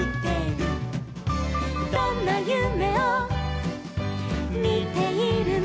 「どんなゆめをみているの」